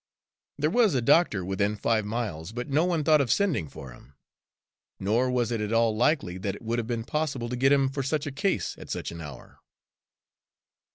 There was a doctor within five miles, but no one thought of sending for him, nor was it at all likely that it would have been possible to get him for such a case at such an hour.